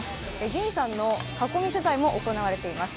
議員さんの囲み取材も行われています。